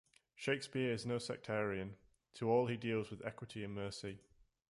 Shakespeare is no sectarian: to all he deals with equity and mercy.